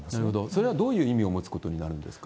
それはどういう意味を持つことになるんですか？